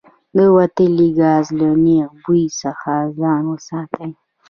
د وتلي ګاز له نیغ بوی څخه ځان وساتئ.